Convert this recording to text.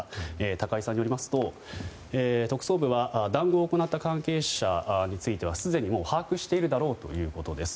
高井さんによりますと特捜部は談合を行った関係者についてはすでに把握しているだろうということです。